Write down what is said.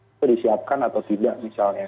itu disiapkan atau tidak misalnya